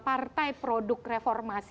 partai produk reformasi